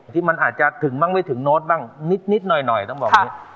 ที่มันอาจจะถึงบ้างไม่ถึงโน้ตบ้างนิดหน่อยต้องบอกอย่างนี้